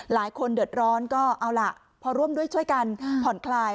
หลายคนเดือดร้อนก็เอาล่ะพอร่วมด้วยช่วยกันผ่อนคลาย